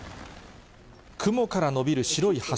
雲から延びる白い柱。